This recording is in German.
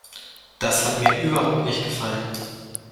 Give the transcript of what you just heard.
Das hat mir überhaupt nicht gefallen!